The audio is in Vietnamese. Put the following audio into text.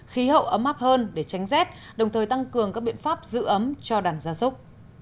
khí hậu ấm áp hơn để tránh rét đồng thời tăng cường các biện pháp giữ ấm cho đàn gia súc